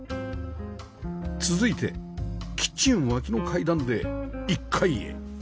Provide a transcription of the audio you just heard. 続いてキッチン脇の階段で１階へ